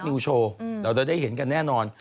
นิวโชว์เราจะได้เห็นกันแน่นอน